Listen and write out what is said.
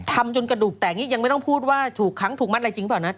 ทำจนกระดูกแตกนี่ยังไม่ต้องพูดว่าถูกค้างถูกมัดอะไรจริงเปล่านะ